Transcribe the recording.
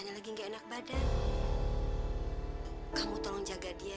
keadaannya kan seperti ini